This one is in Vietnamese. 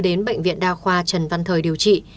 đến bệnh viện đa khoa trần văn thời điều trị